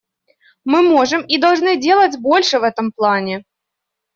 Мы можем и должны делать больше в этом плане.